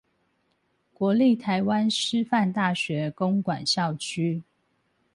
國立臺灣師範大學公館校區